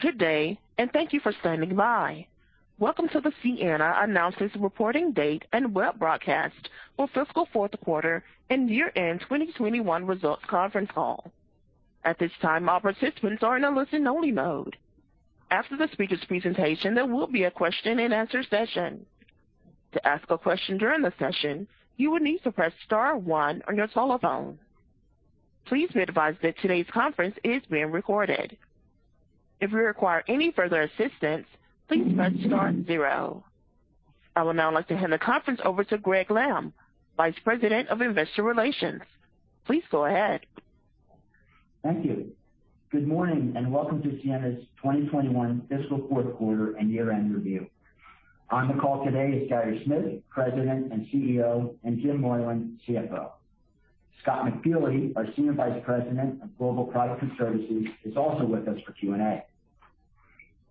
Good day, and thank you for standing by. Welcome to the Ciena announcements reporting date and web broadcast for fiscal fourth quarter and year-end 2021 results conference call. At this time, all participants are in a listen-only mode. After the speaker's presentation, there will be a question-and-answer session. To ask a question during the session, you would need to press Star one on your telephone. Please be advised that today's conference is being recorded. If you require any further assistance, please press Star zero. I would now like to hand the conference over to Gregg Lampf, Vice President of Investor Relations. Please go ahead. Thank you. Good morning and welcome to Ciena's 2021 fiscal fourth quarter and year-end review. On the call today is Gary Smith, President and CEO, and Jim Moylan, CFO. Scott McFeely, our Senior Vice President of Global Products and Services, is also with us for Q&A.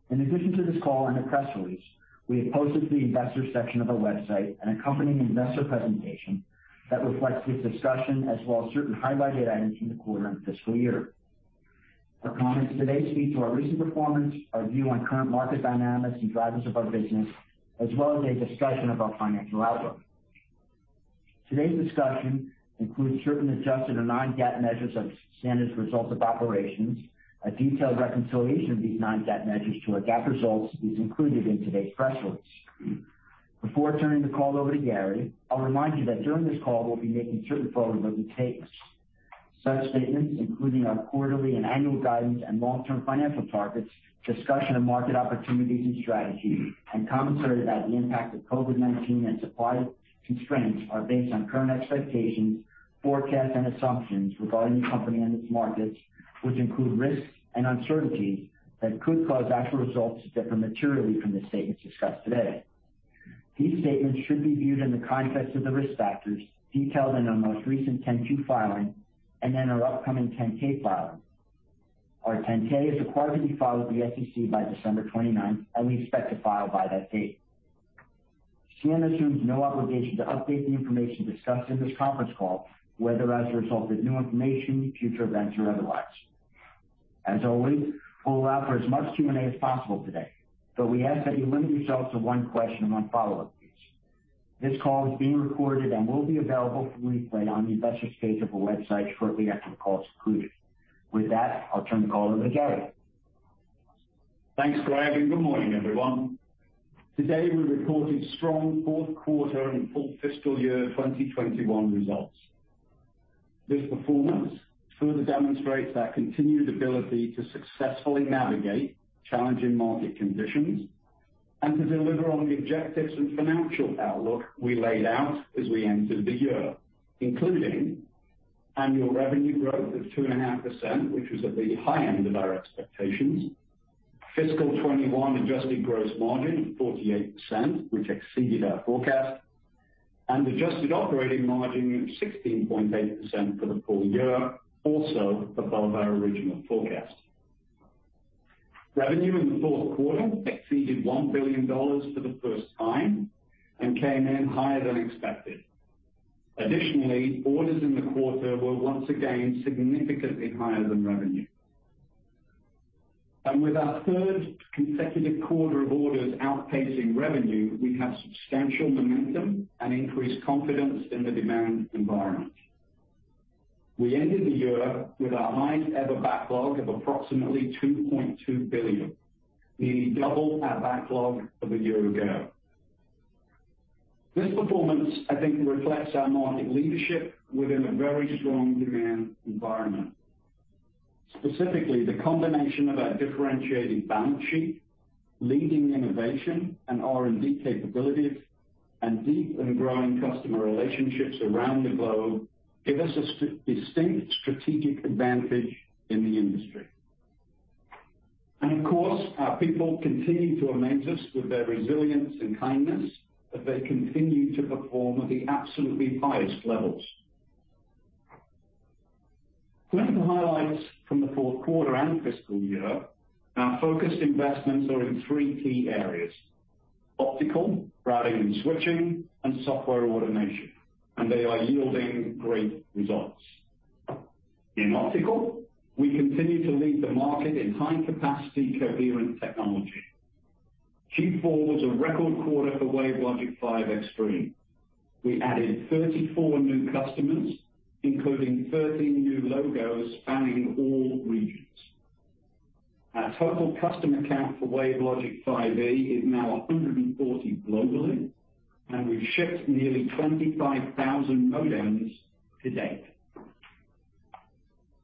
In addition to this call and the press release, we have posted to the Investor section of our website an accompanying investor presentation that reflects this discussion as well as certain highlighted items from the quarter and fiscal year. Our comments today speak to our recent performance, our view on current market dynamics and drivers of our business, as well as a discussion of our financial outlook. Today's discussion includes certain adjusted or non-GAAP measures of Ciena's results of operations. A detailed reconciliation of these non-GAAP measures to our GAAP results is included in today's press release. Before turning the call over to Gary, I'll remind you that during this call, we'll be making certain forward-looking statements. Such statements, including our quarterly and annual guidance and long-term financial targets, discussion of market opportunities and strategies, and commentary about the impact of COVID-19 and supply constraints, are based on current expectations, forecasts, and assumptions regarding the company and its markets, which include risks and uncertainties that could cause actual results to differ materially from the statements discussed today. These statements should be viewed in the context of the risk factors detailed in our most recent 10-Q filing and in our upcoming 10-K filing. Our 10-K is required to be filed with the SEC by December 29, and we expect to file by that date. Ciena assumes no obligation to update the information discussed in this conference call, whether as a result of new information, future events, or otherwise. As always, we'll allow for as much Q&A as possible today, but we ask that you limit yourself to one question and one follow-up, please. This call is being recorded and will be available for replay on the Investors page of our website shortly after the call is concluded. With that, I'll turn the call over to Gary. Thanks, Greg, and good morning, everyone. Today, we reported strong fourth quarter and full fiscal year 2021 results. This performance further demonstrates our continued ability to successfully navigate challenging market conditions and to deliver on the objectives and financial outlook we laid out as we entered the year, including annual revenue growth of 2.5%, which was at the high end of our expectations. Fiscal 2021 adjusted gross margin of 48%, which exceeded our forecast. Adjusted operating margin of 16.8% for the full year, also above our original forecast. Revenue in the fourth quarter exceeded $1 billion for the first time and came in higher than expected. Additionally, orders in the quarter were once again significantly higher than revenue. With our third consecutive quarter of orders outpacing revenue, we have substantial momentum and increased confidence in the demand environment. We ended the year with our highest ever backlog of approximately $2.2 billion, nearly double our backlog of a year ago. This performance, I think, reflects our market leadership within a very strong demand environment. Specifically, the combination of our differentiated balance sheet, leading innovation and R&D capabilities, and deep and growing customer relationships around the globe give us a distinct strategic advantage in the industry. Of course, our people continue to amaze us with their resilience and kindness as they continue to perform at the absolutely highest levels. Turning to highlights from the fourth quarter and fiscal year, our focused investments are in three key areas, Optical, Routing and Switching, and software and automation. They are yielding great results. In optical, we continue to lead the market in high capacity coherent technology. Q4 was a record quarter for WaveLogic 5 Extreme. We added 34 new customers, including 13 new logos spanning all regions. Our total customer count for WaveLogic 5E is now 140 globally, and we've shipped nearly 25,000 modems to date.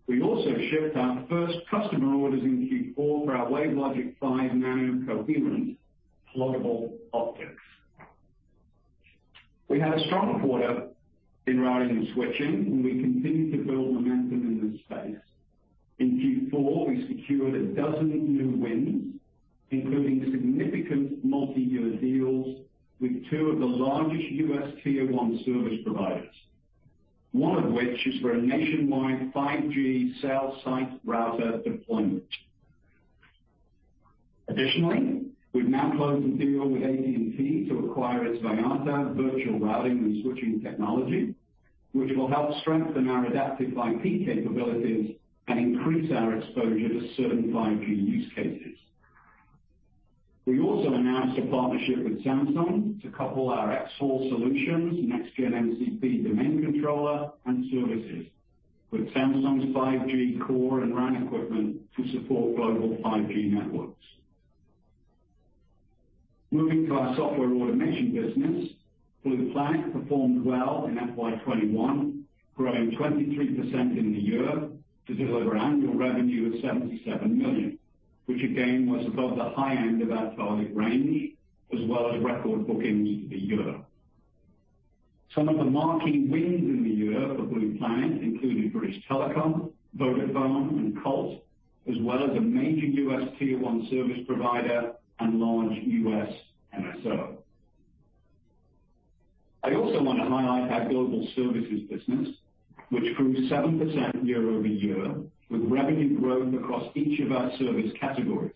We also shipped our first customer orders in Q4 for our WaveLogic 5 Nano coherent pluggable optics. We had a strong quarter in Routing and Switching, and we continue to build momentum in this space. In Q4, we secured 12 new wins, including significant multiyear deals with two of the largest U.S. tier one service providers, one of which is for a nationwide 5G cell site router deployment. Additionally, we've now closed a deal with AT&T to acquire its Vyatta virtual routing and switching technology, which will help strengthen our Adaptive IP capabilities and increase our exposure to certain 5G use cases. We also announced a partnership with Samsung to couple our xHaul solutions, next gen MCP domain controller and services with Samsung's 5G core and RAN equipment to support global 5G networks. Moving to our software automation business, Blue Planet performed well in FY 2021, growing 23% in the year to deliver annual revenue of $77 million, which again was above the high end of our target range, as well as record bookings for the year. Some of the marquee wins in the year for Blue Planet included British Telecom, Vodafone and Colt, as well as a major U.S. tier one service provider and large U.S. MSO. I also wanna highlight our global services business, which grew 7% year-over-year with revenue growth across each of our service categories,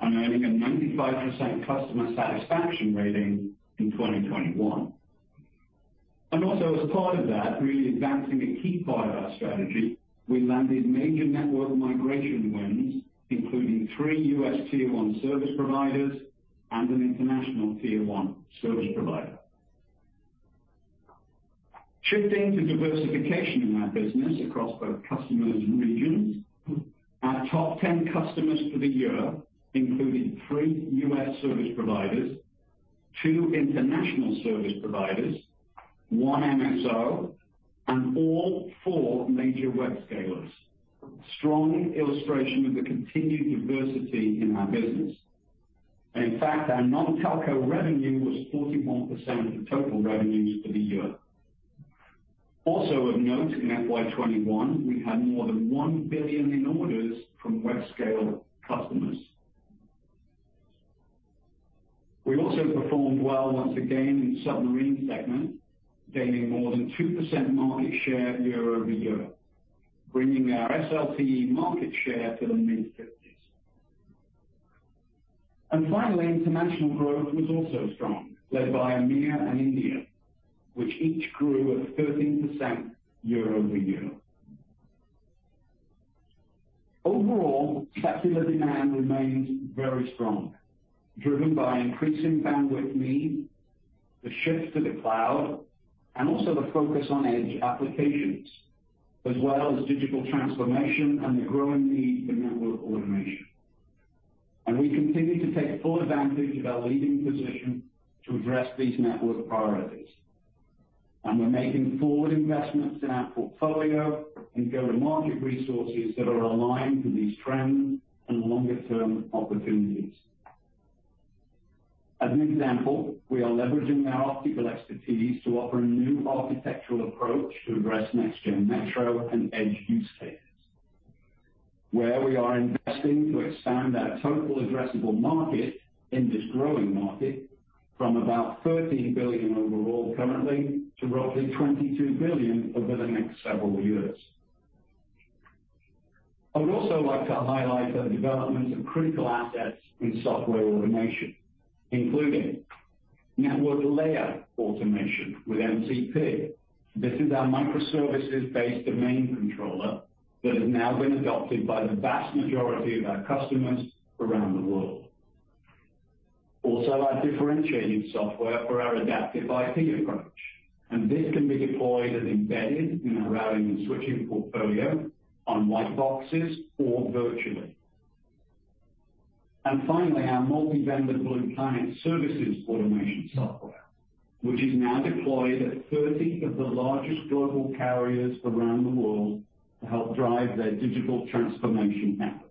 and earning a 95% customer satisfaction rating in 2021. Also as part of that, really advancing a key part of our strategy, we landed major network migration wins, including three U.S. tier one service providers and an international tier one service provider. Shifting to diversification in our business across both customers and regions, our top 10 customers for the year included three U.S. service providers, two international service providers, 1 MSO, and all four major web scalers. Strong illustration of the continued diversity in our business. In fact, our non-telco revenue was 41% of total revenues for the year. Also of note, in FY 2021, we had more than $1 billion in orders from web scale customers. We also performed well once again in the submarine segment, gaining more than 2% market share year-over-year, bringing our SLTE market share to the mid-50s. Finally, international growth was also strong, led by EMEAR and India, which each grew at 13% year-over-year. Overall, sector demand remains very strong, driven by increasing bandwidth need, the shift to the cloud, and also the focus on edge applications, as well as digital transformation and the growing need for network automation. We continue to take full advantage of our leading position to address these network priorities. We're making forward investments in our portfolio and go-to-market resources that are aligned to these trends and longer term opportunities. As an example, we are leveraging our optical expertise to offer a new architectural approach to address next gen metro and edge use cases, where we are investing to expand our total addressable market in this growing market from about $13 billion overall currently to roughly $22 billion over the next several years. I would also like to highlight the development of critical assets in software automation, including network layer automation with MCP. This is our microservices-based domain controller that has now been adopted by the vast majority of our customers around the world. Also, our differentiating software for our Adaptive IP approach, and this can be deployed as embedded in our Routing and Switching portfolio on white boxes or virtually. Finally, our multi-vendor Blue Planet services automation software, which is now deployed at 30 of the largest global carriers around the world to help drive their digital transformation efforts.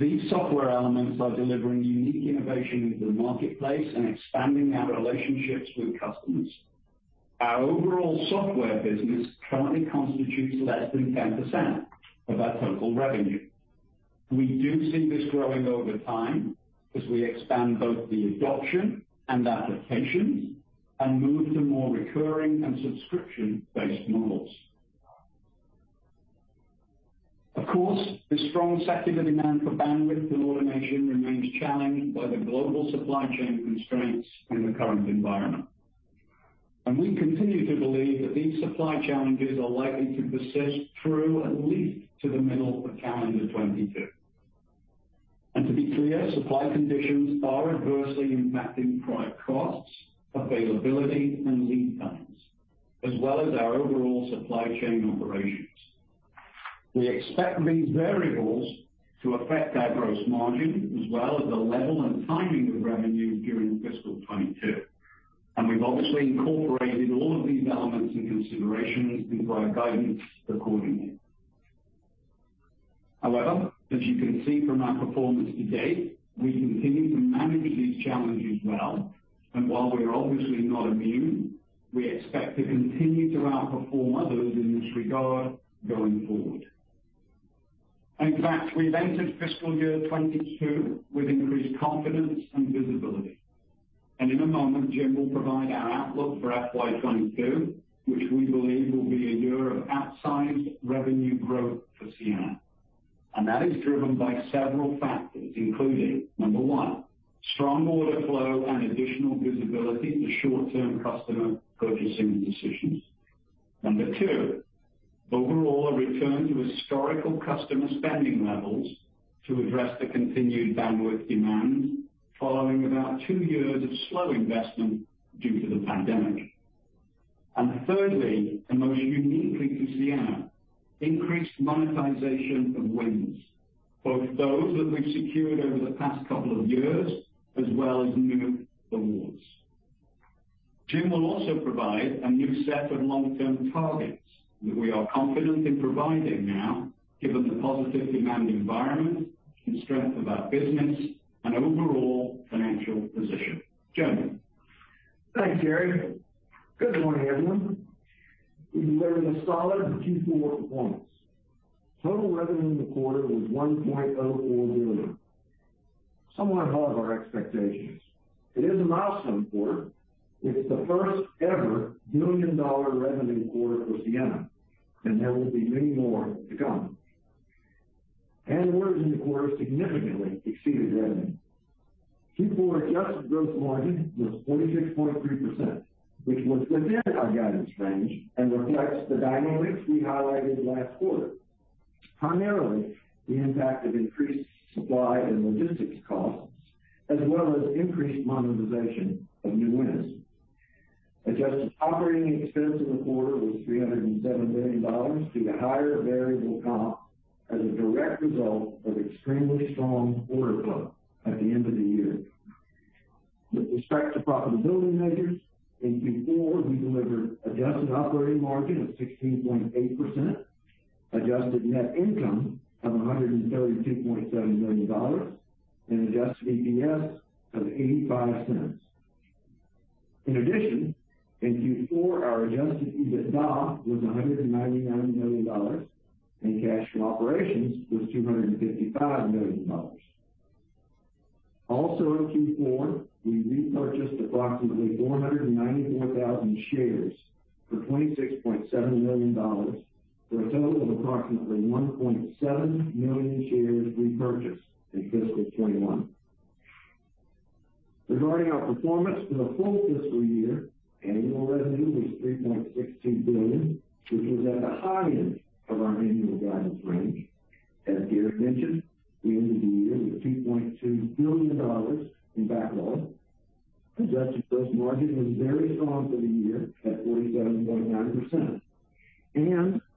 These software elements are delivering unique innovation into the marketplace and expanding our relationships with customers. Our overall software business currently constitutes less than 10% of our total revenue. We do see this growing over time as we expand both the adoption and applications and move to more recurring and subscription-based models. Of course, the strong sector demand for bandwidth and automation remains challenged by the global supply chain constraints in the current environment. We continue to believe that these supply challenges are likely to persist through at least to the middle of calendar 2022. To be clear, supply conditions are adversely impacting product costs, availability, and lead times, as well as our overall supply chain operations. We expect these variables to affect our gross margin as well as the level and timing of revenue during fiscal 2022, and we've obviously incorporated all of these elements and considerations into our guidance accordingly. However, as you can see from our performance to date, we continue to manage these challenges well, and while we're obviously not immune, we expect to continue to outperform others in this regard going forward. In fact, we've entered fiscal year 2022 with increased confidence and visibility. In a moment, Jim will provide our outlook for FY 2022, which we believe will be a year of outsized revenue growth for Ciena. That is driven by several factors, including, Number one, strong order flow and additional visibility to short-term customer purchasing decisions. Number two, overall a return to historical customer spending levels to address the continued downward demand following about two years of slow investment due to the pandemic. Third, and most uniquely to Ciena, increased monetization of wins, both those that we've secured over the past couple of years as well as new awards. Jim will also provide a new set of long-term targets that we are confident in providing now, given the positive demand environment and strength of our business and overall financial position. Jim. Thanks, Gary. Good morning, everyone. We delivered a solid Q4 performance. Total revenue in the quarter was $1.04 billion, somewhat above our expectations. It is a milestone quarter. It's the first-ever billion-dollar revenue quarter for Ciena, and there will be many more to come. Orders in the quarter significantly exceeded revenue. Q4 adjusted gross margin was 46.3%, which was within our guidance range and reflects the dynamics we highlighted last quarter, primarily the impact of increased supply and logistics costs, as well as increased monetization of new wins. Adjusted operating expense in the quarter was $307 million due to higher variable costs as a direct result of extremely strong order flow at the end of the year. With respect to profitability measures, in Q4 we delivered adjusted operating margin of 16.8%, adjusted net income of $132.7 million, and adjusted EPS of $0.85. In addition, in Q4, our adjusted EBITDA was $199 million, and cash from operations was $255 million. Also in Q4, we repurchased approximately 494,000 shares for $26.7 million, for a total of approximately 1.7 million shares repurchased in fiscal 2021. Regarding our performance for the full fiscal year, annual revenue was $3.62 billion, which was at the high end of our annual guidance range. As Gary mentioned, we ended the year with $2.2 billion in backlog. Adjusted gross margin was very strong for the year at 47.9%.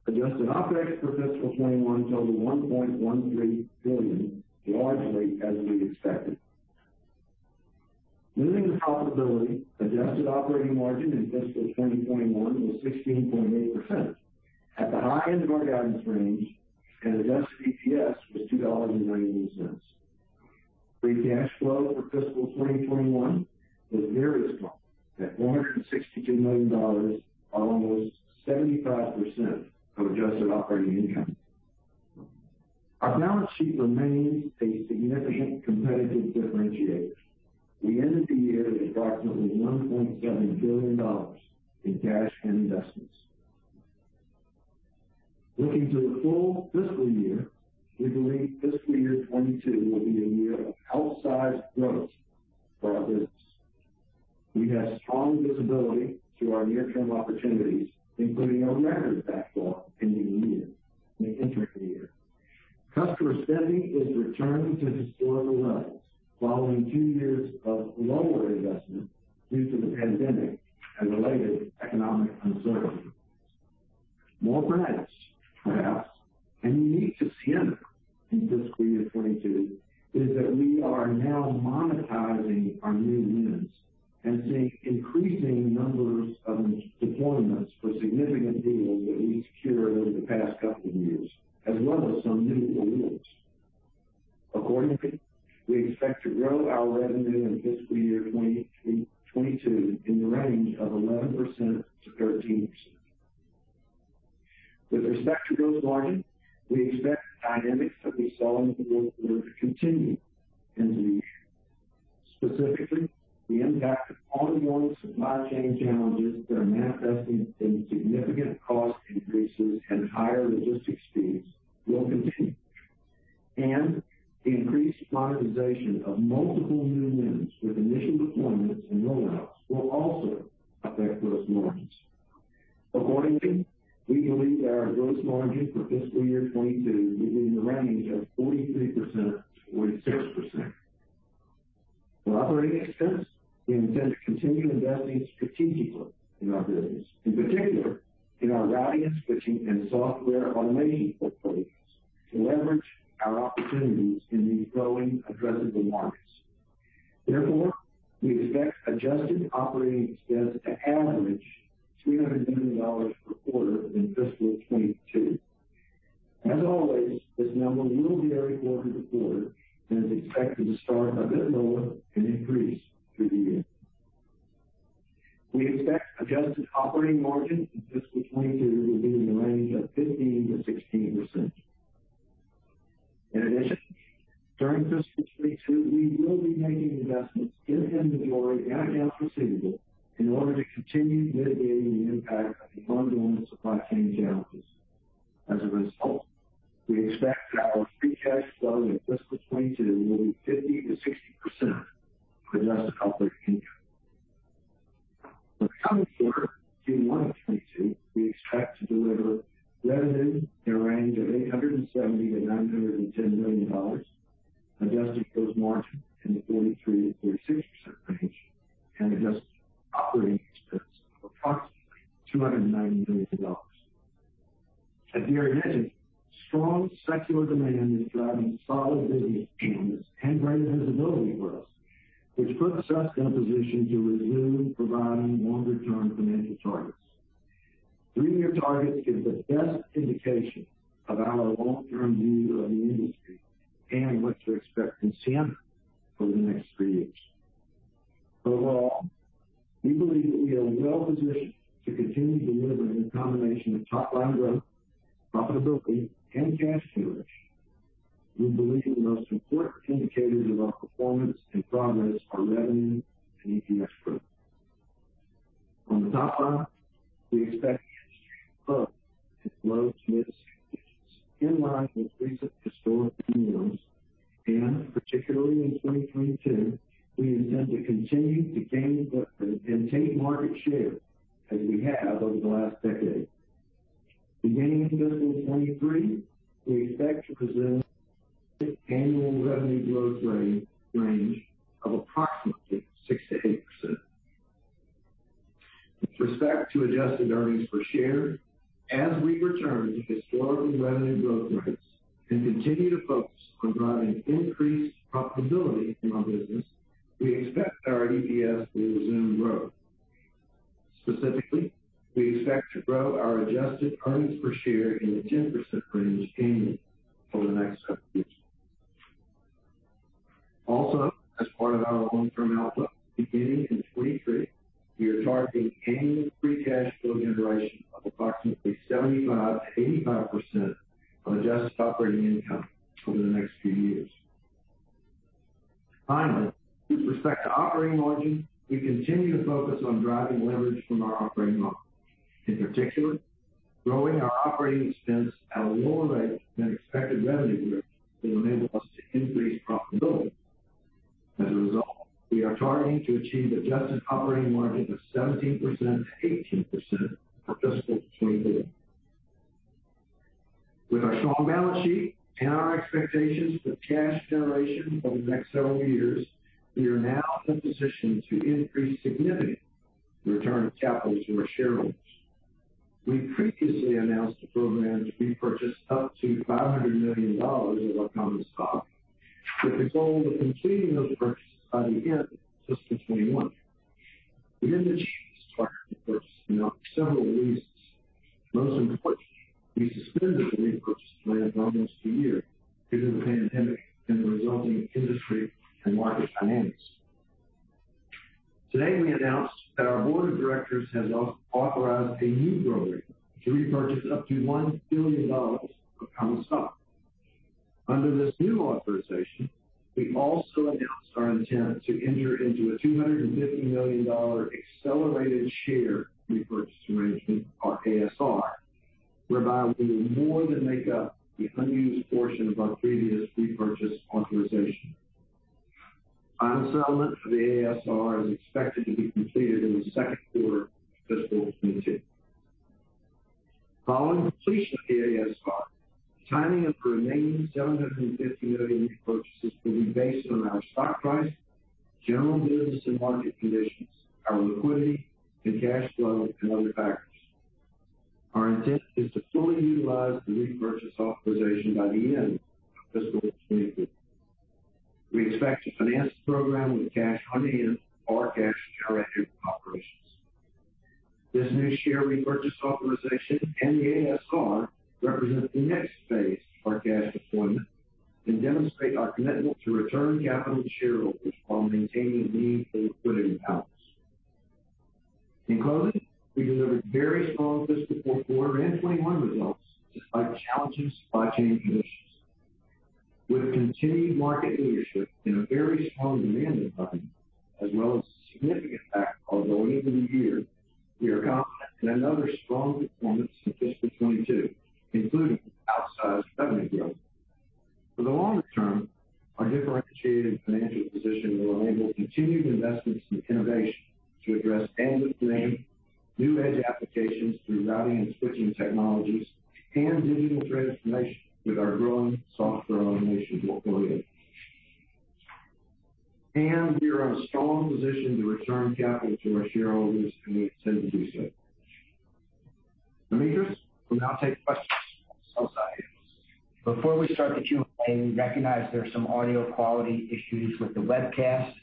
Adjusted OpEx for fiscal 2021 totaled $1.13 billion, largely as we expected. Moving to profitability, adjusted operating margin in fiscal 2021 was 16.8% at the high end of our guidance range, and adjusted EPS was $2.91. Free cash flow for fiscal 2021 was very strong at $462 million or almost 75% of adjusted operating income. Our balance sheet remains a significant competitive differentiator. We ended the year with approximately $1.7 billion in cash and investments. Looking to the full fiscal year, we believe fiscal year 2022 will be a year of outsized growth for our business. We have strong visibility to our near-term opportunities, including a record backlog in the interim year. Customer spending is returning to historical levels following two years of lower investment due to the pandemic and related economic uncertainty. More perhaps, and unique to Ciena in fiscal year 2022, is that we are now monetizing our new wins and seeing increasing numbers of deployments for significant deals that we secured over the past couple of years, as well as some new awards. Accordingly, we expect to grow our revenue in fiscal year 2022 in the range of 11%-13%. With respect to gross margin, we expect the dynamics that we saw in Q4 to continue into the year. Specifically, the impact of ongoing supply chain challenges that are manifesting in significant cost increases and higher logistics fees will continue, and the increased monetization of multiple new wins with initial deployments and rollouts will also affect gross margins. Accordingly, we believe our gross margin for fiscal year 2022 will be in the range of 43%-46%. For operating expense, we intend to continue investing strategically in our business, in particular in our routing, switching, and software automation portfolios to leverage our opportunities in these growing addressable markets. Therefore, we expect adjusted operating expense to average $300 million per quarter in fiscal 2022. As always, this number will vary quarter-to-quarter and is expected to start a bit lower and increase through the year. We expect adjusted operating margin in fiscal 2022 will be in the range of 15%-16%. In addition, during fiscal 2022, we will be making investments in inventory and accounts receivable in order to continue mitigating the impact of the ongoing supply chain challenges. As a result, we expect our free cash flow in fiscal 2022 will be 50%-60% of adjusted operating income. For the coming quarter, Q1 of 2022, we expect to deliver revenue in a range of $870 million-$910 million, adjusted gross margin in the 43%-46% range, and adjusted operating expense of approximately $290 million. As you imagine, strong secular demand is driving we are targeting to achieve adjusted operating margin of 17%-18% for fiscal 2022. With our strong balance sheet and our expectations for cash generation over the next several years, we are now in a position to increase significantly the return of capital to our shareholders. We previously announced a program to repurchase up to $500 million of our common stock with the goal of completing those purchases by the end of fiscal 2021. We didn't achieve this target, of course, for several reasons. Most importantly, we suspended the repurchase plan for almost a year due to the pandemic and the resulting industry and market dynamics. Today, we announced that our board of directors has authorized a new program to repurchase up to $1 billion of common stock. Under this new authorization, we also announced our intent to enter into a $250 million accelerated share repurchase arrangement or ASR, whereby we will more than make up the unused portion of our previous repurchase authorization. Final settlement for the ASR is expected to be completed in the second quarter of fiscal 2022. Following completion of the ASR, timing of the remaining $750 million repurchases will be based on our stock price, general business and market conditions, our liquidity and cash flow, and other factors. Our intent is to fully utilize the repurchase authorization by the end of fiscal 2022. We expect to finance the program with cash on hand or cash generated from operations. This new share repurchase authorization and the ASR represent the next phase of our cash deployment and demonstrate our commitment to return capital to shareholders while maintaining meaningful liquidity balance. In closing, we delivered very strong fiscal fourth quarter and 2021 results despite challenging supply chain conditions. With continued market leadership in a very strong demand environment as well as significant profitability over the year, we are confident in another strong performance in fiscal 2022, including outsized revenue growth. For the longer term, our differentiated financial position will enable continued investments in innovation to address end-to-end new edge applications through Routing and Switching technologies and digital transformation with our growing software automation portfolio. We are in a strong position to return capital to our shareholders when we intend to do so. Demetrius, we'll now take questions from the sell-side analysts. Before we start the Q&A, we recognize there are some audio quality issues with the webcast.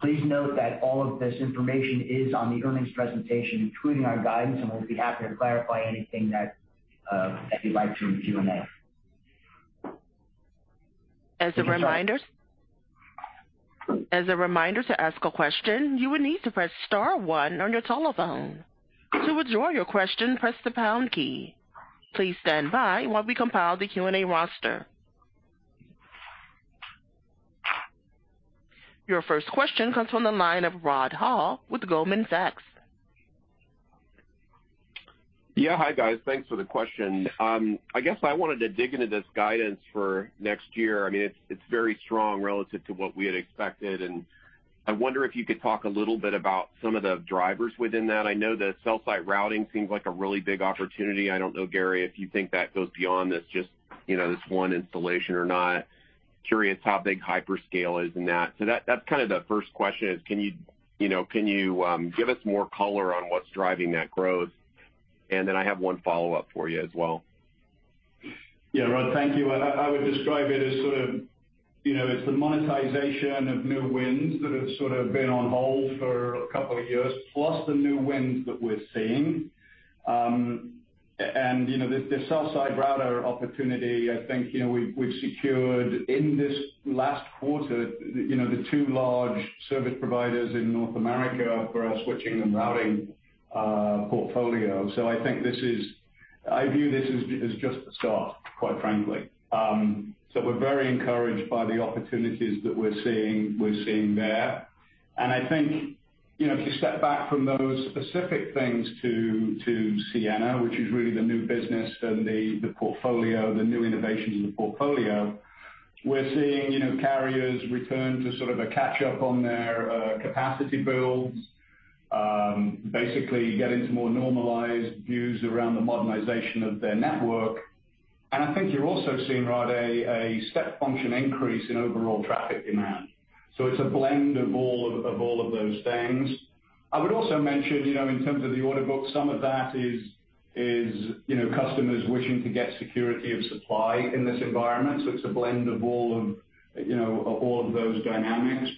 Please note that all of this information is on the earnings presentation, including our guidance, and we'll be happy to clarify anything that you'd like to in Q&A. As a reminder, to ask a question, you would need to press Star one on your telephone. To withdraw your question, press the pound key. Please stand by while we compile the Q&A roster. Your first question comes from the line of Rod Hall with Goldman Sachs. Yeah. Hi, guys. Thanks for the question. I guess I wanted to dig into this guidance for next year. I mean, it's very strong relative to what we had expected, and I wonder if you could talk a little bit about some of the drivers within that. I know that cell site routing seems like a really big opportunity. I don't know, Gary, if you think that goes beyond this just, you know, this one installation or not. Curious how big hyperscale is in that. So that's kinda the first question is can you know, give us more color on what's driving that growth? I have one follow-up for you as well. Yeah. Rod, thank you. I would describe it as sort of, you know, it's the monetization of new wins that have sort of been on hold for a couple of years, plus the new wins that we're seeing. And, you know, the cell site router opportunity, I think, you know, we've secured in this last quarter, you know, the two large service providers in North America for our Switching and Routing portfolio. I think this is. I view this as just the start, quite frankly. We're very encouraged by the opportunities that we're seeing there. I think, you know, if you step back from those specific things to Ciena, which is really the new business and the portfolio, the new innovations in the portfolio, we're seeing, you know, carriers return to sort of a catch-up on their capacity builds, basically get into more normalized views around the modernization of their network. I think you're also seeing, Rod, a step function increase in overall traffic demand. It's a blend of all of those things. I would also mention, you know, in terms of the order book, some of that is, you know, customers wishing to get security of supply in this environment. It's a blend of all of those dynamics.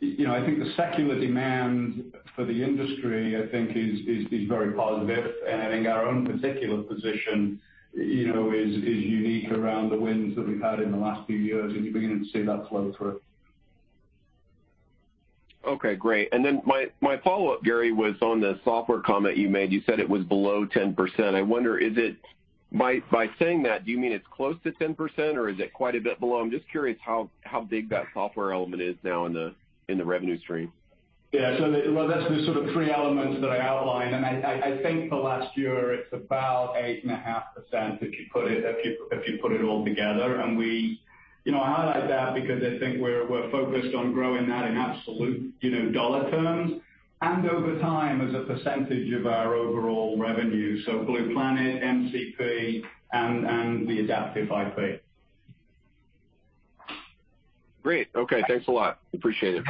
You know, I think the secular demand for the industry, I think is very positive. I think our own particular position, you know, is unique around the wins that we've had in the last few years, and you're beginning to see that flow through. Okay. Great. My follow-up, Gary, was on the software comment you made. You said it was below 10%. I wonder, is it by saying that, do you mean it's close to 10% or is it quite a bit below? I'm just curious how big that software element is now in the revenue stream. Rod, that's the sort of three elements that I outlined, and I think for last year it's about 8.5% if you put it all together. You know, I highlight that because I think we're focused on growing that in absolute dollar terms and over time as a percentage of our overall revenue. Blue Planet, MCP, and the Adaptive IP. Great. Okay. Thanks a lot. Appreciate it.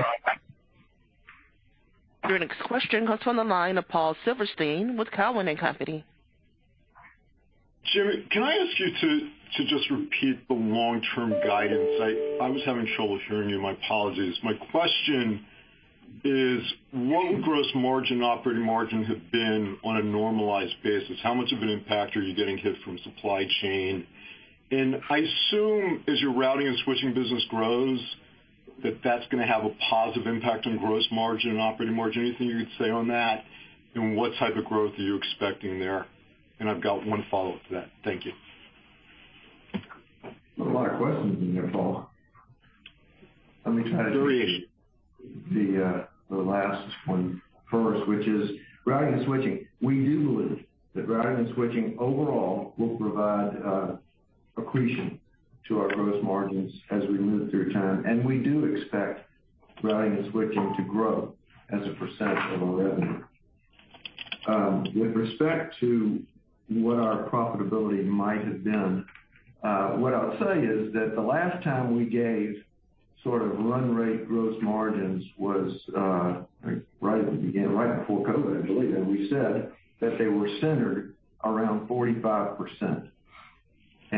Your next question comes from the line of Paul Silverstein with Cowen and Company. Jim, can I ask you to just repeat the long-term guidance? I was having trouble hearing you. My apologies. My question is, what gross margin and operating margin have been on a normalized basis? How much of an impact are you getting hit from supply chain? And I assume as your Routing and Switching business grows, that that's gonna have a positive impact on gross margin and operating margin. Anything you can say on that? And what type of growth are you expecting there? And I've got one follow-up to that. Thank you. A lot of questions in there, Paul. Let me try to do- Three. The last one first, which is Routing and Switching. We do believe that Routing and Switching overall will provide accretion to our gross margins as we move through time, and we do expect Routing and Switching to grow as a percent of our revenue. With respect to what our profitability might have been, what I'll tell you is that the last time we gave sort of run rate gross margins was right at the beginning, right before COVID, I believe, and we said that they were centered around 45%.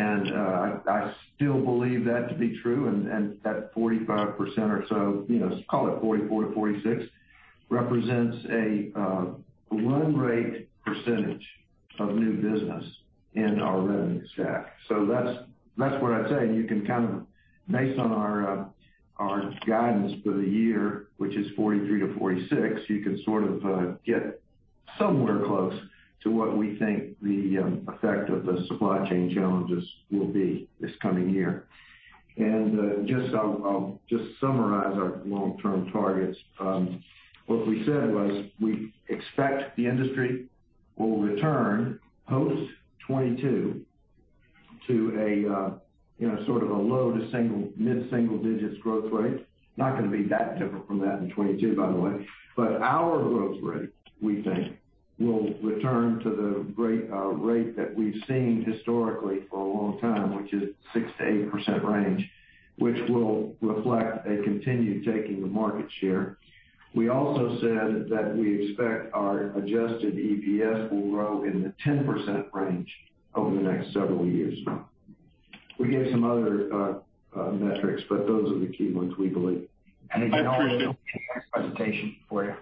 I still believe that to be true and that 45% or so, you know, call it 44%-46%, represents a run rate percentage of new business in our revenue stack. That's what I'd say. You can kind of base on our guidance for the year, which is $43-$46. You can sort of get somewhere close to what we think the effect of the supply chain challenges will be this coming year. I'll just summarize our long-term targets. What we said was we expect the industry will return post-2022 to a, you know, sort of a low- to mid-single-digit growth rate. Not gonna be that different from that in 2022, by the way. But our growth rate, we think, will return to the rate that we've seen historically for a long time, which is 6%-8% range, which will reflect a continued taking of market share. We also said that we expect our adjusted EPS will grow in the 10% range over the next several years. We gave some other metrics, but those are the key ones we believe. I appreciate. If you don't, we can make a presentation for you.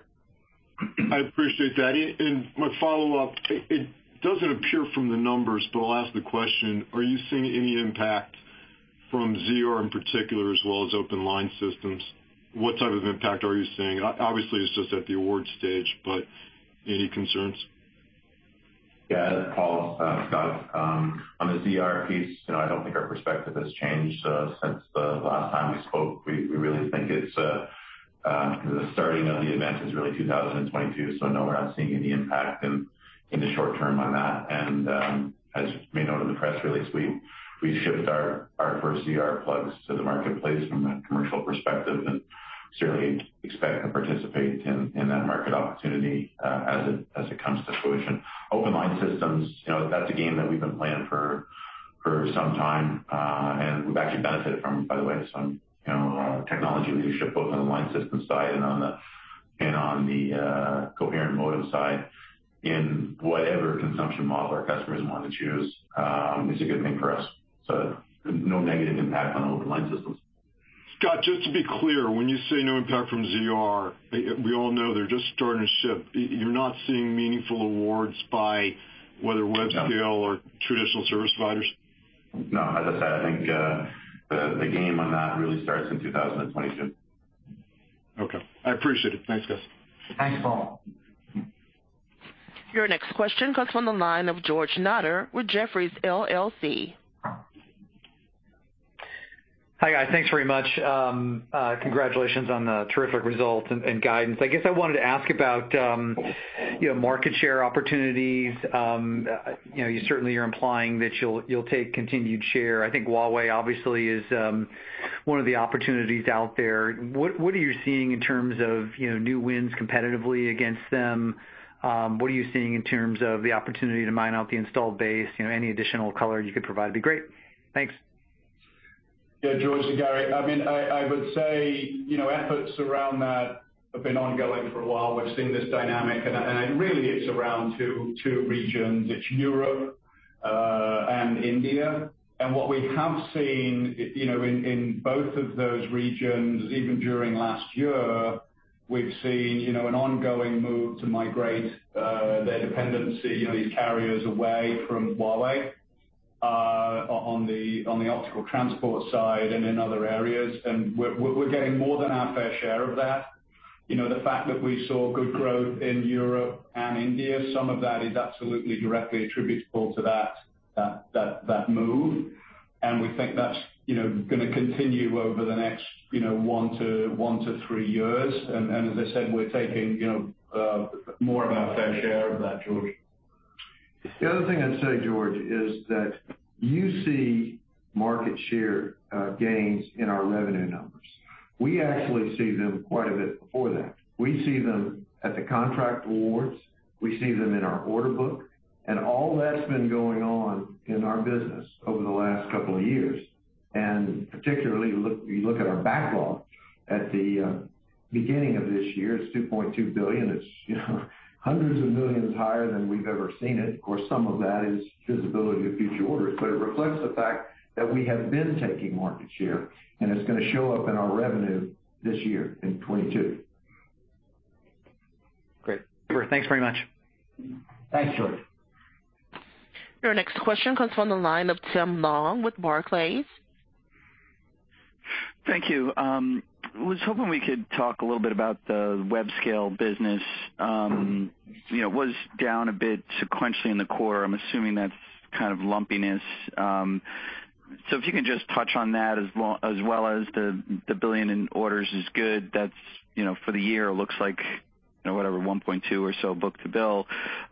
I appreciate that. My follow-up, it doesn't appear from the numbers, but I'll ask the question. Are you seeing any impact from ZR in particular as well as open line systems? What type of impact are you seeing? Obviously, it's just at the award stage, but any concerns? Yeah. Paul, Scott, on the ZR piece, you know, I don't think our perspective has changed since the last time we spoke. We really think it's the starting of the event is really 2022, so no, we're not seeing any impact in the short term on that. As you may know in the press release, we shipped our first ZR plugs to the marketplace from a commercial perspective and certainly expect to participate in that market opportunity as it comes to fruition. Open line systems, you know, that's a game that we've been playing for some time, and we've actually benefited from, by the way, some you know technology leadership both on the line system side and on the coherent modem side in whatever consumption model our customers wanna choose is a good thing for us. So no negative impact on open line systems. Scott, just to be clear, when you say no impact from ZR, we all know they're just starting to ship. You're not seeing meaningful awards by whether web- No scale or traditional service providers? No. As I say, I think, the game on that really starts in 2022. Okay. I appreciate it. Thanks, guys. Thanks, Paul. Your next question comes from the line of George Notter with Jefferies LLC. Hi, guys. Thanks very much. Congratulations on the terrific results and guidance. I guess I wanted to ask about, you know, market share opportunities. You know, you certainly are implying that you'll take continued share. I think Huawei obviously is one of the opportunities out there. What are you seeing in terms of, you know, new wins competitively against them? What are you seeing in terms of the opportunity to mine out the installed base? You know, any additional color you could provide would be great. Thanks. Yeah, George, Gary, I mean, I would say, you know, efforts around that have been ongoing for a while. We've seen this dynamic, and really it's around two regions. It's Europe and India. What we have seen, you know, in both of those regions, even during last year, we've seen, you know, an ongoing move to migrate their dependency, you know, these carriers away from Huawei on the optical transport side and in other areas. We're getting more than our fair share of that. You know, the fact that we saw good growth in Europe and India, some of that is absolutely directly attributable to that move, and we think that's, you know, gonna continue over the next 1-3 years. as I said, we're taking, you know, more of our fair share of that, George. The other thing I'd say, George, is that you see market share gains in our revenue numbers. We actually see them quite a bit before that. We see them at the contract awards, we see them in our order book, and all that's been going on in our business over the last couple of years. Particularly, if you look at our backlog at the beginning of this year, it's $2.2 billion. It's, you know, hundreds of millions higher than we've ever seen it. Of course, some of that is visibility of future orders, but it reflects the fact that we have been taking market share, and it's gonna show up in our revenue this year in 2022. Great. Thanks very much. Thanks, George. Your next question comes from the line of Tim Long with Barclays. Thank you. Was hoping we could talk a little bit about the web scale business. You know, it was down a bit sequentially in the quarter. I'm assuming that's kind of lumpiness. So if you can just touch on that as well as the $1 billion in orders is good. That's, you know, for the year, looks like, you know, whatever, 1.2 or so book to bill.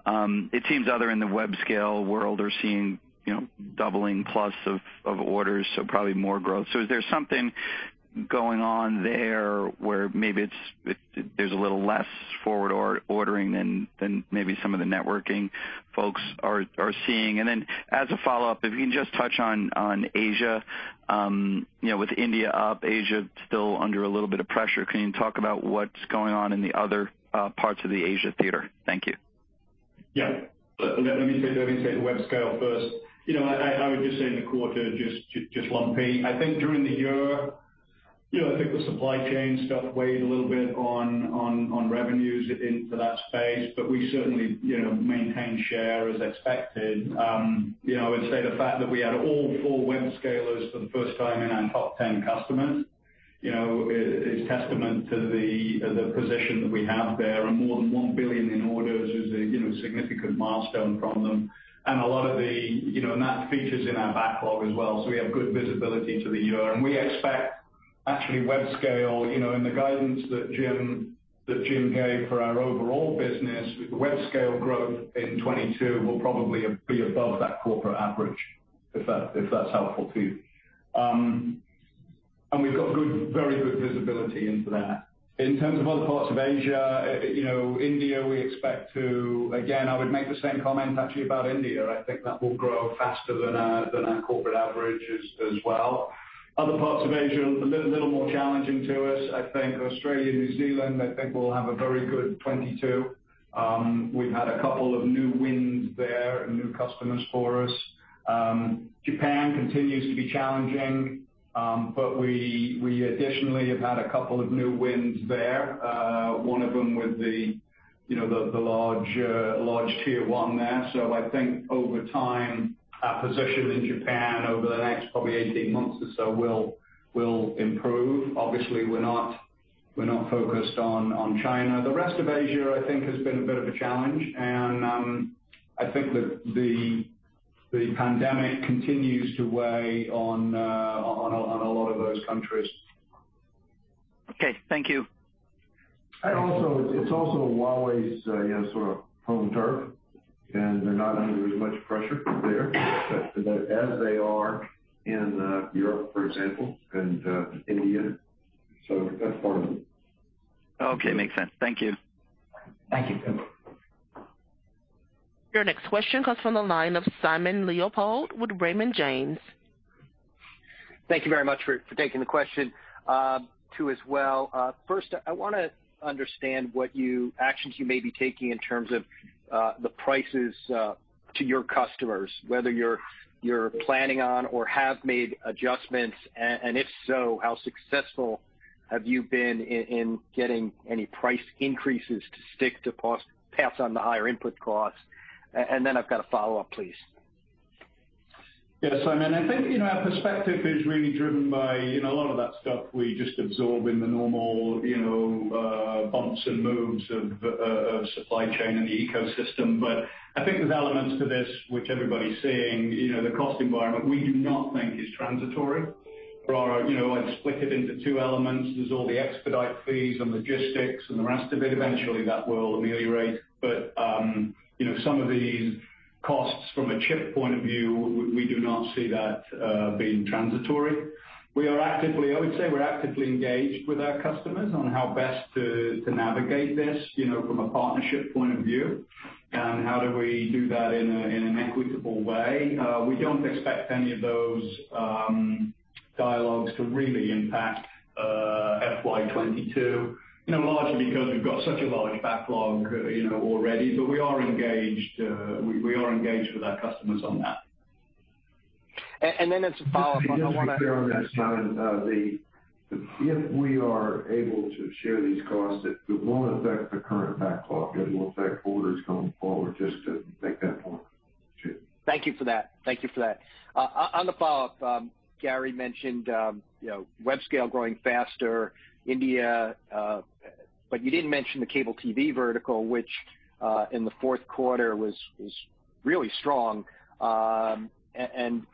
It seems others in the web scale world are seeing, you know, doubling plus of orders, so probably more growth. So is there something going on there where maybe there's a little less forward ordering than maybe some of the networking folks are seeing? As a follow-up, if you can just touch on Asia. You know, with India up, Asia still under a little bit of pressure, can you talk about what's going on in the other parts of the Asia theater? Thank you. Yeah. Let me say the web scale first. You know, I would just say in the quarter, just lumpy. I think during the year, you know, I think the supply chain stuff weighed a little bit on revenues into that space, but we certainly, you know, maintained share as expected. You know, I would say the fact that we had all four web scalers for the first time in our top 10 customers, you know, is testament to the position that we have there, and more than $1 billion in orders is a, you know, significant milestone from them. A lot of the, you know, and that features in our backlog as well, so we have good visibility to the year. We expect actually web scale, you know, in the guidance that Jim gave for our overall business, web scale growth in 2022 will probably be above that corporate average, if that's helpful to you. We've got good, very good visibility into that. In terms of other parts of Asia, you know, India, again, I would make the same comment actually about India. I think that will grow faster than our corporate average as well. Other parts of Asia, a little more challenging to us. I think Australia, New Zealand, I think we'll have a very good 2022. We've had a couple of new wins there and new customers for us. Japan continues to be challenging, but we additionally have had a couple of new wins there, one of them with the, you know, the large Tier 1 there. I think over time, our position in Japan over the next probably 18 months or so will improve. Obviously, we're not focused on China. The rest of Asia, I think, has been a bit of a challenge. I think that the pandemic continues to weigh on a lot of those countries. Okay. Thank you. It's also Huawei's, you know, sort of home turf, and they're not under as much pressure there as they are in Europe, for example, and India. That's part of it. Okay. Makes sense. Thank you. Thank you. Your next question comes from the line of Simon Leopold with Raymond James. Thank you very much for taking the question as well. First, I want to understand what actions you may be taking in terms of the prices to your customers, whether you're planning on or have made adjustments. If so, how successful have you been in getting any price increases to stick to pass on the higher input costs? Then I've got a follow-up, please. Yeah. I mean, I think, you know, our perspective is really driven by, you know, a lot of that stuff we just absorb in the normal, you know, bumps and moves of supply chain and the ecosystem. I think there's elements to this which everybody's seeing, you know, the cost environment, we do not think is transitory. There are, you know, I'd split it into two elements. There's all the expedite fees and logistics and the rest of it. Eventually, that will ameliorate. Some of these costs from a chip point of view, we do not see that being transitory. I would say we're actively engaged with our customers on how best to navigate this, you know, from a partnership point of view, and how do we do that in an equitable way. We don't expect any of those dialogues to really impact FY 2022, you know, largely because we've got such a large backlog, you know, already. We are engaged with our customers on that. As a follow-up, I wanna Just to be clear on this, Simon, if we are able to share these costs, it won't affect the current backlog, it will affect orders going forward, just to make that point, too. Thank you for that. On the follow-up, Gary mentioned, you know, web scale growing faster, India, but you didn't mention the cable TV vertical which in the fourth quarter was really strong.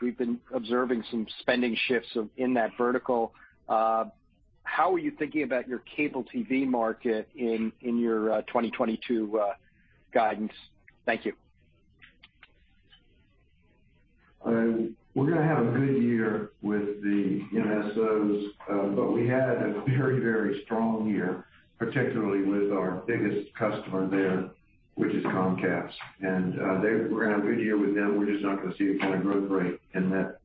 We've been observing some spending shifts in that vertical. How are you thinking about your cable TV market in your 2022 guidance? Thank you. We're gonna have a good year with the MSOs, but we had a very, very strong year, particularly with our biggest customer there, which is Comcast. We're gonna have a good year with them. We're just not gonna see the kind of growth rate in that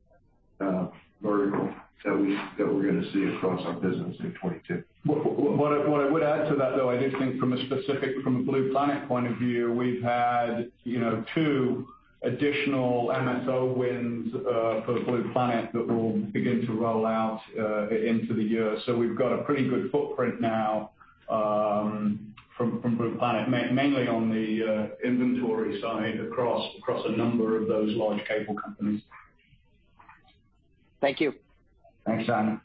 vertical that we're gonna see across our business in 2022. What I would add to that, though, I do think from a specific Blue Planet point of view, we've had, you know, two additional MSO wins for Blue Planet that will begin to roll out into the year. So we've got a pretty good footprint now from Blue Planet, mainly on the inventory side across a number of those large cable companies. Thank you. Thanks, Simon.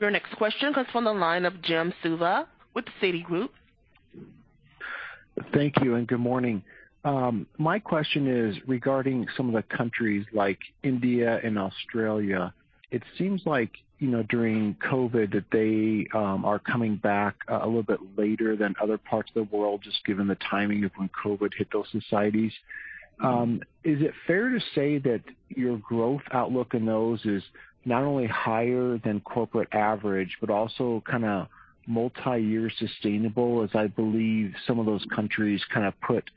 Your next question comes from the line of Jim Suva with Citigroup. Thank you and good morning. My question is regarding some of the countries like India and Australia. It seems like, you know, during COVID, that they are coming back a little bit later than other parts of the world, just given the timing of when COVID hit those societies. Is it fair to say that your growth outlook in those is not only higher than corporate average, but also kinda multi-year sustainable, as I believe some of those countries kinda put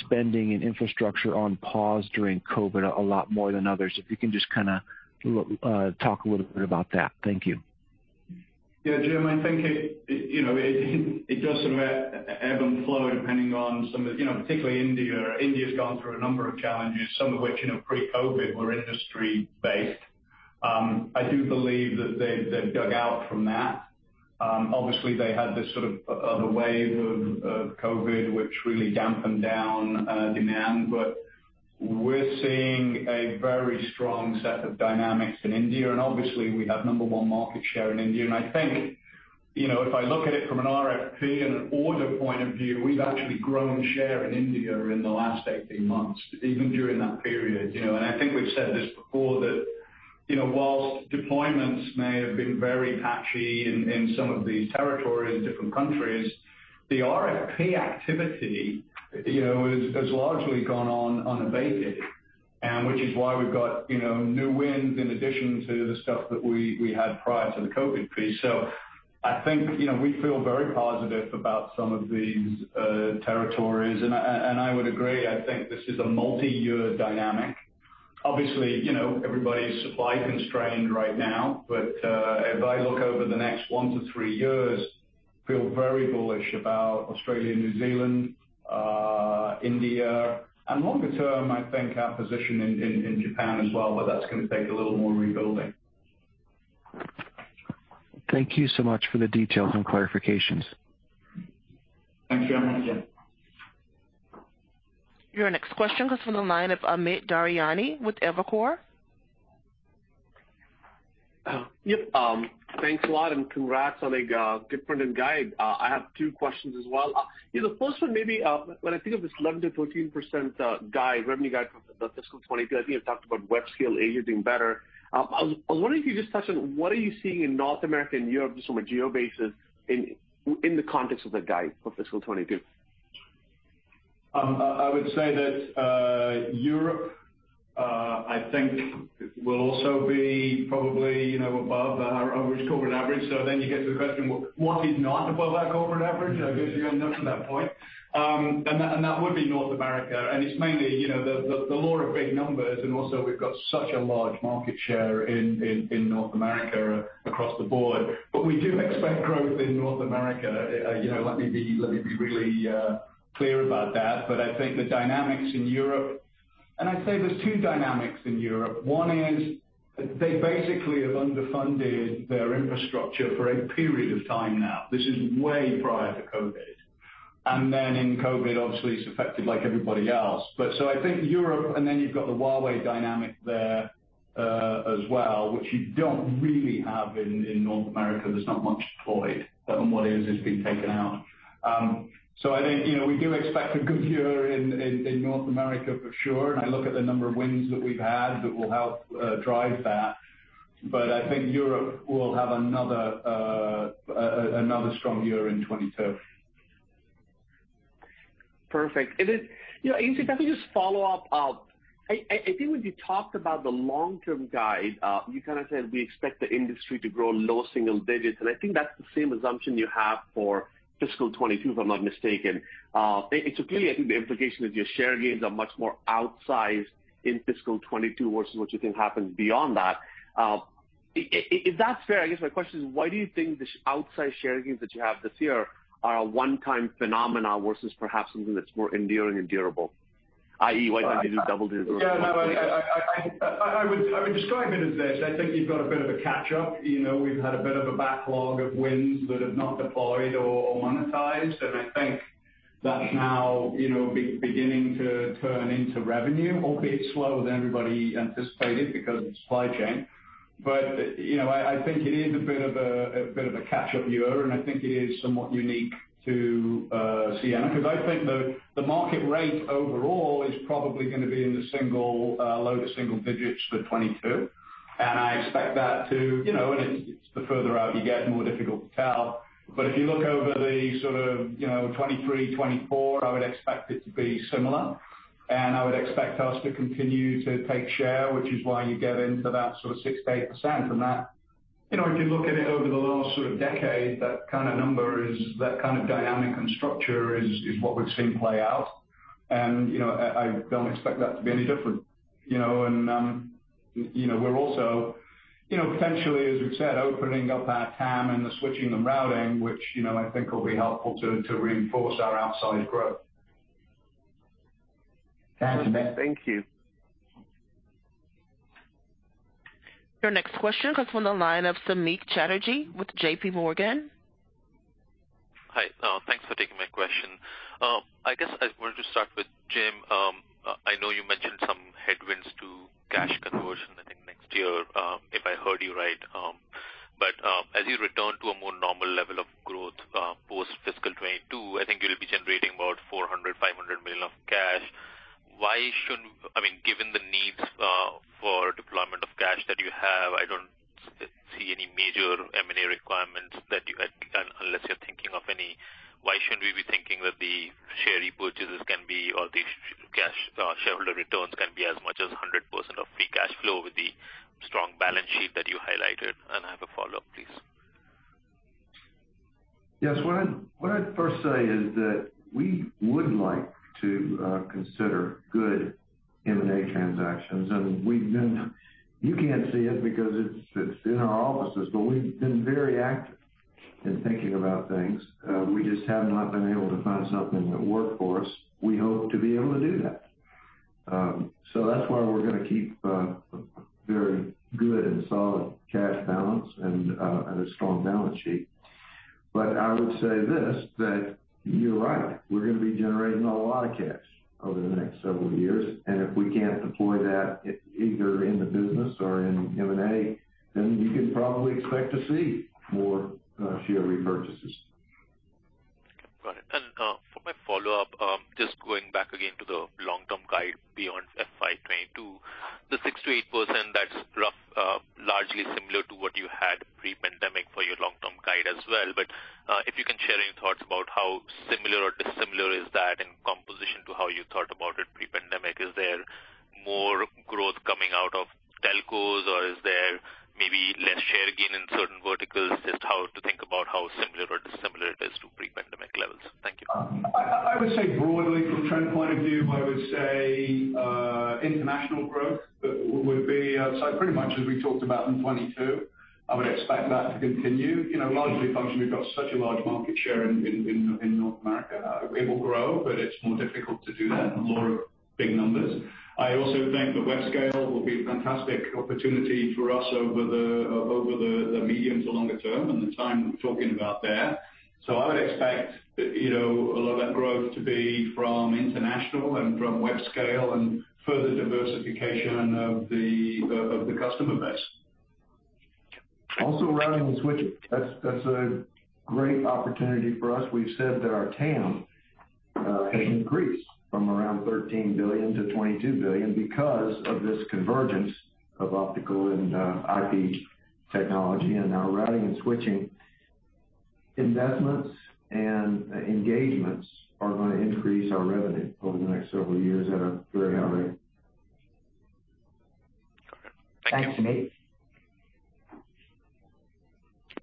spending and infrastructure on pause during COVID a lot more than others? If you can just kinda talk a little bit about that. Thank you. Yeah. Jim, I think it, you know, does sort of ebb and flow depending on some of the, particularly India. India's gone through a number of challenges, some of which, pre-COVID were industry based. I do believe that they've dug out from that. Obviously, they had this sort of a wave of COVID, which really dampened down demand. We're seeing a very strong set of dynamics in India, and obviously, we have number one market share in India. I think, you know, if I look at it from an RFP and an order point of view, we've actually grown share in India in the last 18 months, even during that period. You know, I think we've said this before that, you know, while deployments may have been very patchy in some of these territories and different countries, the RFP activity, you know, has largely gone on unabated, and which is why we've got, you know, new wins in addition to the stuff that we had prior to the COVID piece. I think, you know, we feel very positive about some of these territories. I would agree, I think this is a multi-year dynamic. Obviously, you know, everybody's supply constrained right now, but if I look over the next 1-3 years, feel very bullish about Australia, New Zealand, India, and longer term, I think our position in Japan as well, but that's gonna take a little more rebuilding. Thank you so much for the details and clarifications. Thank you. Your next question comes from the line of Amit Daryanani with Evercore. Yep. Thanks a lot and congrats on a good printed guide. I have two questions as well. Yeah, the first one may be, when I think of this 11%-14% guide, revenue guide for the fiscal 2022, I think you talked about web scale Asia doing better. I was wondering if you could just touch on what are you seeing in North America and Europe just from a geo basis in the context of the guide for fiscal 2022. I would say that Europe I think will also be probably you know above our average corporate average. Then you get to the question, well, what is not above our corporate average? I guess you end up at that point. And that would be North America. It's mainly you know the law of large numbers, and also we've got such a large market share in North America across the board. But we do expect growth in North America. You know, let me be really clear about that. But I think the dynamics in Europe, and I'd say there's two dynamics in Europe. One is they basically have underfunded their infrastructure for a period of time now. This is way prior to COVID. Then in COVID, obviously it's affected like everybody else. I think Europe, and then you've got the Huawei dynamic there, as well, which you don't really have in North America. There's not much deployed, and what is, has been taken out. I think, you know, we do expect a good year in North America for sure, and I look at the number of wins that we've had that will help drive that. I think Europe will have another strong year in 2022. Perfect. You know, AC, can I just follow-up? I think when you talked about the long-term guide, you kinda said we expect the industry to grow low single digits, and I think that's the same assumption you have for fiscal 2022, if I'm not mistaken. Clearly, I think the implication is your share gains are much more outsized in fiscal 2022 versus what you think happens beyond that. If that's fair, I guess my question is, why do you think the outsized share gains that you have this year are a one-time phenomena versus perhaps something that's more enduring, endurable? I.e., why can't you do double digits- Yeah, no, I would describe it as this. I think you've got a bit of a catch-up. You know, we've had a bit of a backlog of wins that have not deployed or monetized, and I think that's now, you know, beginning to turn into revenue, albeit slower than everybody anticipated because of supply chain. You know, I think it is a bit of a catch-up year, and I think it is somewhat unique to Ciena, 'cause I think the market rate overall is probably gonna be in the single low to single digits for 2022. I expect that to, you know, and it's the further out you get, the more difficult to tell. If you look over the sort of, you know, 2023, 2024, I would expect it to be similar. I would expect us to continue to take share, which is why you get into that sort of 6%-8%. That, you know, if you look at it over the last sort of decade, that kind of number is, that kind of dynamic and structure is what we've seen play out. You know, I don't expect that to be any different. You know, we're also, you know, potentially, as we've said, opening up our TAM and the switching and routing, which, you know, I think will be helpful to reinforce our outsized growth. Thank you. Your next question comes from the line of Samik Chatterjee with JPMorgan. Hi, thanks for taking my question. I guess I wanted to start with Jim. I know you mentioned some headwinds to cash conversion, I think next year, if I heard you right. As you return to a more normal level of growth post-fiscal 2022, I think you'll be generating about $400 million-$500 million of cash. I mean, given the needs for deployment of cash that you have, I don't see any major M&A requirements that you had, unless you're thinking of any. Why shouldn't we be thinking that the share repurchases can be or the cash shareholder returns can be as much as 100% of free cash flow with the strong balance sheet that you highlighted? I have a follow-up, please. Yes. What I'd first say is that we would like to consider good M&A transactions. You can't see it because it's in our offices, but we've been very active in thinking about things. We just have not been able to find something that worked for us. We hope to be able to do that. That's why we're gonna keep a very good and solid cash balance and a strong balance sheet. I would say this, that you're right. We're gonna be generating a lot of cash over the next several years, and if we can't deploy that either in the business or in M&A, then you can probably expect to see more share repurchases. Got it. For my follow-up, just going back again to the long-term guide beyond FY 2022, the 6%-8%, that's roughly largely similar to what you had pre-pandemic for your long-term guide as well. If you can share any thoughts about how similar or dissimilar is that in composition to how you thought about it pre-pandemic? Is there more growth coming out of telcos, or is there maybe less share gain in certain verticals? Just how to think about how similar- I would say broadly from a trend point of view, I would say, international growth would be outsized pretty much as we talked about in 2022. I would expect that to continue. You know, largely a function, we've got such a large market share in North America. It will grow, but it's more difficult to do that in the bigger numbers. I also think that web-scale will be a fantastic opportunity for us over the medium- to long-term and the time we're talking about there. I would expect, you know, a lot of that growth to be from international and from web-scale and further diversification of the customer base. Also, Routing and Switching. That's a great opportunity for us. We've said that our TAM has increased from around $13 billion-$22 billion because of this convergence of optical and IP technology. Now Routing and Switching investments and engagements are gonna increase our revenue over the next several years at a very high rate. Thanks, Samik.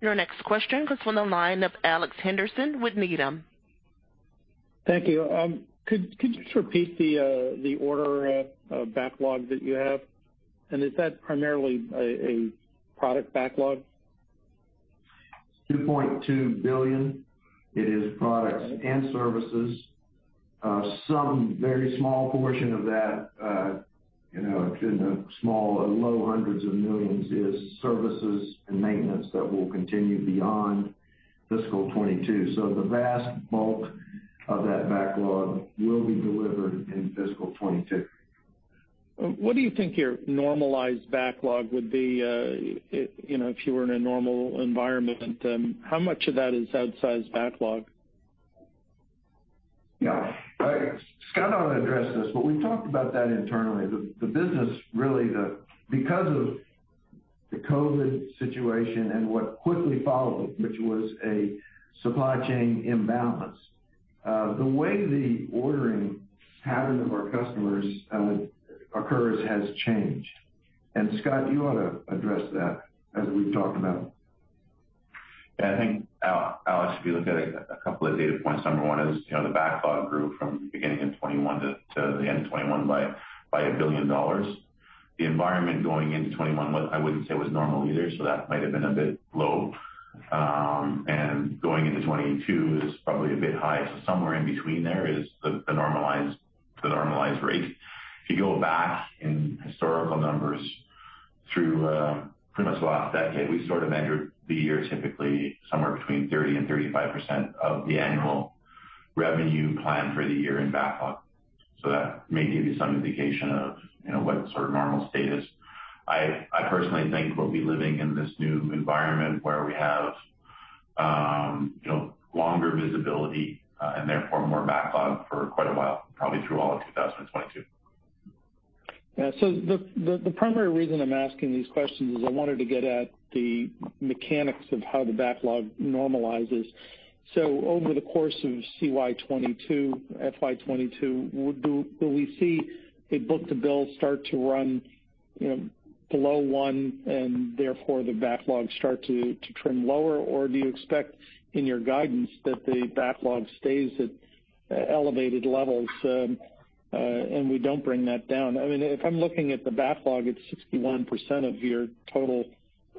Your next question comes from the line of Alex Henderson with Needham. Thank you. Could you just repeat the order of backlogs that you have? Is that primarily a product backlog? $2.2 billion. It is products and services. Some very small portion of that, you know, in the small or low hundreds of millions is services and maintenance that will continue beyond fiscal 2022. The vast bulk of that backlog will be delivered in fiscal 2022. What do you think your normalized backlog would be, you know, if you were in a normal environment, how much of that is outsized backlog? Yeah. Scott ought to address this, but we've talked about that internally. The business really because of the COVID situation and what quickly followed, which was a supply chain imbalance, the way the ordering pattern of our customers occurs has changed. Scott, you ought to address that as we've talked about. Yeah, I think, Alex, if you look at a couple of data points, number one is, you know, the backlog grew from beginning of 2021 to the end of 2021 by $1 billion. The environment going into 2021 was I wouldn't say was normal either, so that might have been a bit low. And going into 2022 is probably a bit high. So somewhere in between there is the normalized rate. If you go back in historical numbers through pretty much the last decade, we sort of measured the year typically somewhere between 30%-35% of the annual revenue plan for the year in backlog. So that may give you some indication of, you know, what sort of normal state is. I personally think we'll be living in this new environment where we have, you know, longer visibility, and therefore more backlog for quite a while, probably through all of 2022. Yeah. The primary reason I'm asking these questions is I wanted to get at the mechanics of how the backlog normalizes. Over the course of CY 2022, FY 2022, will we see a book to bill start to run, you know, below 1 and therefore the backlog start to trend lower? Or do you expect in your guidance that the backlog stays at elevated levels, and we don't bring that down? I mean, if I'm looking at the backlog, it's 61% of your total,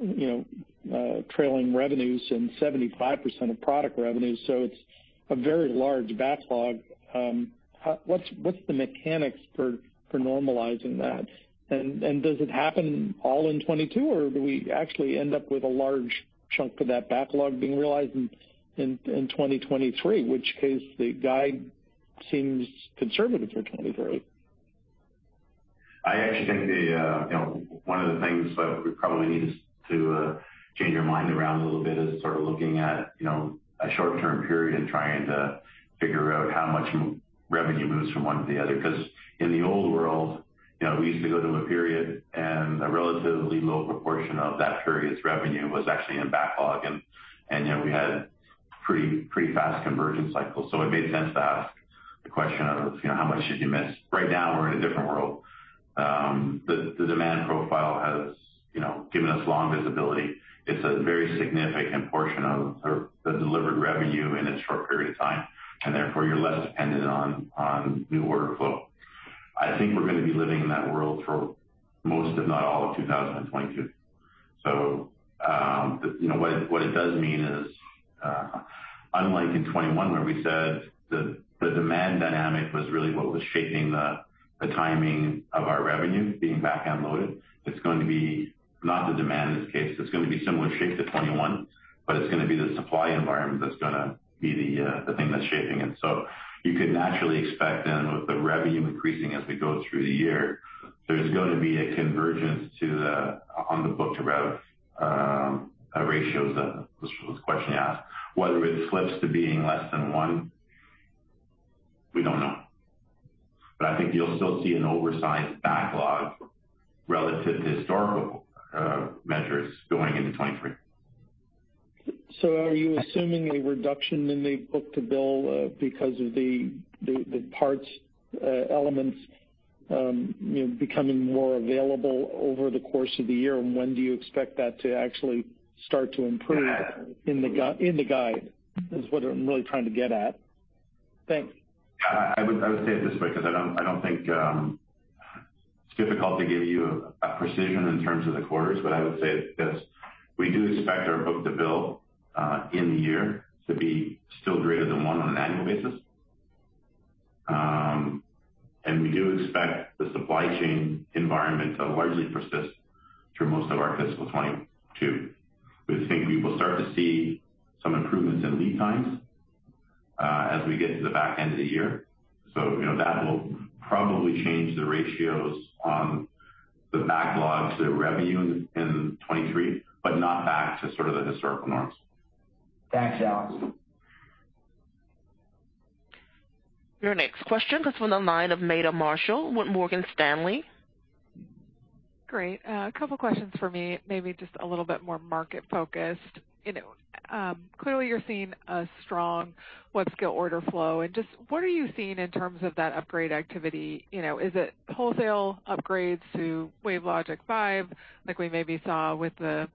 you know, trailing revenues and 75% of product revenues, so it's a very large backlog. What's the mechanics for normalizing that? Does it happen all in 2022, or do we actually end up with a large chunk of that backlog being realized in 2023, which case the guide seems conservative for 2023? I actually think the, you know, one of the things that we probably need is to change our mind around a little bit is sort of looking at, you know, a short-term period and trying to figure out how much revenue moves from one to the other. Because in the old world, you know, we used to go through a period, and a relatively low proportion of that period's revenue was actually in backlog and, you know, we had pretty fast conversion cycles. It made sense to ask the question of, you know, how much did you miss? Right now, we're in a different world. The demand profile has, you know, given us long visibility. It's a very significant portion of sort of the delivered revenue in a short period of time, and therefore you're less dependent on new order flow. I think we're gonna be living in that world for most, if not all, of 2022. You know what it does mean is, unlike in 2021 where we said the demand dynamic was really what was shaping the timing of our revenue being back-end loaded, it's going to be not the demand in this case. It's gonna be similar shape to 2021, but it's gonna be the supply environment that's gonna be the thing that's shaping it. You could naturally expect then with the revenue increasing as we go through the year, there's gonna be a convergence to the on the book to rev ratios that was the question you asked. Whether it flips to being less than one, we don't know. I think you'll still see an oversized backlog relative to historical measures going into 2023. Are you assuming a reduction in the book-to-bill, because of the parts elements? You know, becoming more available over the course of the year, and when do you expect that to actually start to improve in the guide is what I'm really trying to get at. Thanks. Yeah, I would say it this way, 'cause I don't think it's difficult to give you a precision in terms of the quarters, but I would say this: We do expect our book-to-bill in the year to be still greater than one on an annual basis. We do expect the supply chain environment to largely persist through most of our fiscal 2022. We think we will start to see some improvements in lead times as we get to the back end of the year. You know, that will probably change the ratios on the backlogs to revenue in 2023, but not back to sort of the historical norms. Thanks, Alex. Your next question comes from the line of Meta Marshall with Morgan Stanley. Great. A couple questions for me, maybe just a little bit more market-focused. You know, clearly you're seeing a strong web scale order flow. Just what are you seeing in terms of that upgrade activity? You know, is it wholesale upgrades to WaveLogic 5, like we maybe saw with the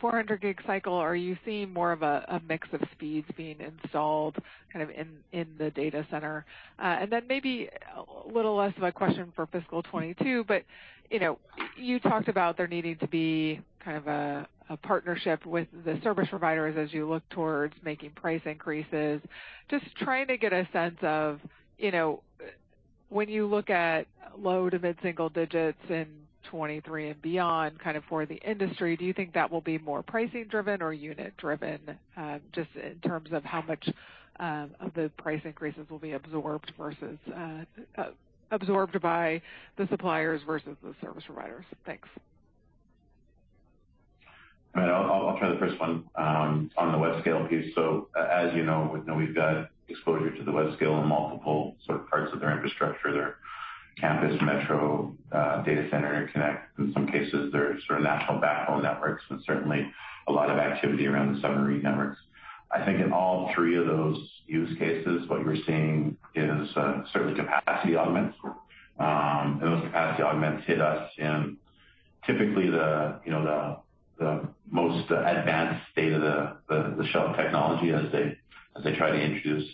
400 gig cycle? Are you seeing more of a mix of speeds being installed kind of in the data center? Then maybe a little less of a question for fiscal 2022, but you know, you talked about there needing to be kind of a partnership with the service providers as you look towards making price increases. Just trying to get a sense of, you know, when you look at low to mid-single digits in 2023 and beyond kind of for the industry, do you think that will be more pricing driven or unit driven, just in terms of how much of the price increases will be absorbed versus absorbed by the suppliers versus the service providers? Thanks. I'll try the first one on the web scale piece. As you know, we've got exposure to the web scale in multiple sort of parts of their infrastructure, their campus metro, data center connect. In some cases, their sort of national backbone networks, and certainly a lot of activity around the submarine networks. I think in all three of those use cases, what you're seeing is certainly capacity augments. Those capacity augments hit us in typically you know, the most advanced state of the shelf technology as they try to introduce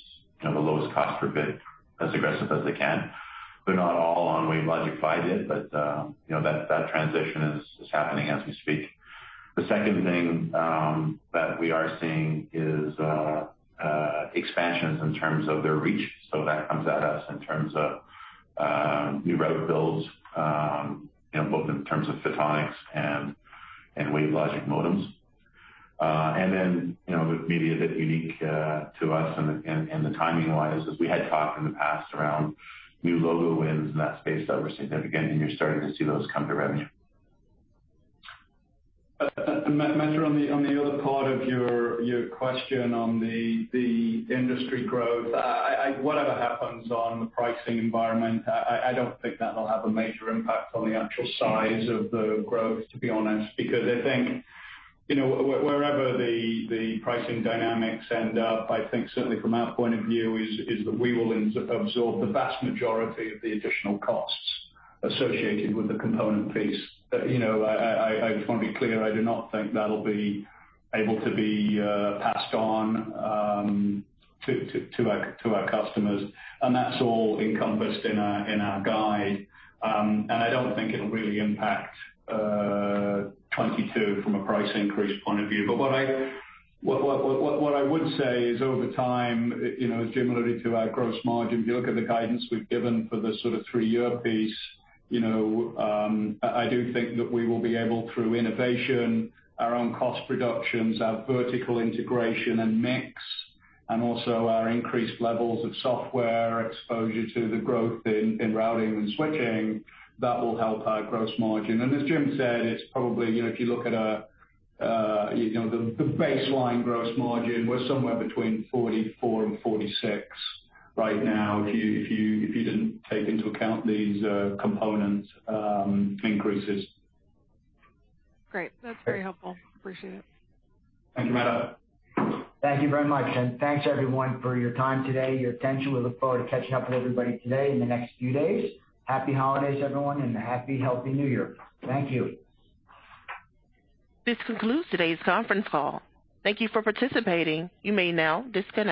you know, the lowest cost per bit as aggressive as they can. They're not all on WaveLogic 5 yet, but you know, that transition is happening as we speak. The second thing that we are seeing is expansions in terms of their reach. That comes at us in terms of new route builds, you know, both in terms of photonics and WaveLogic modems. You know, maybe a bit unique to us and the timing-wise is we had talked in the past around new logo wins in that space that were significant, and you're starting to see those come to revenue. Meta, on the other part of your question on the industry growth, whatever happens on the pricing environment, I don't think that'll have a major impact on the actual size of the growth, to be honest. Because I think, you know, wherever the pricing dynamics end up, I think certainly from our point of view is that we will absorb the vast majority of the additional costs associated with the component piece. You know, I just want to be clear, I do not think that'll be able to be passed on to our customers. That's all encompassed in our guide. I don't think it'll really impact 2022 from a price increase point of view. What I would say is over time, you know, similarly to our gross margin, if you look at the guidance we've given for the sort of three-year piece, you know, I do think that we will be able through innovation, our own cost reductions, our vertical integration and mix, and also our increased levels of software exposure to the growth in Routing and Switching, that will help our gross margin. As Jim said, it's probably, you know, if you look at, you know, the baseline gross margin, we're somewhere between 44% and 46% right now, if you didn't take into account these component increases. Great. That's very helpful. Appreciate it. Thank you, Meta. Thank you very much. Thanks, everyone, for your time today, your attention. We look forward to catching up with everybody today in the next few days. Happy holidays, everyone, and a happy, healthy new year. Thank you. This concludes today's conference call. Thank you for participating. You may now disconnect.